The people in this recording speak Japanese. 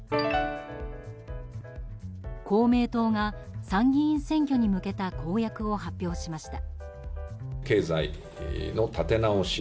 公明党が参議院選挙に向けた公約を発表しました。